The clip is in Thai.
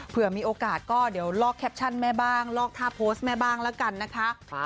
เผื่อมีโอกาสก็เดี๋ยวลอกแคปชั่นแม่บ้างลอกท่าโพสต์แม่บ้างแล้วกันนะคะ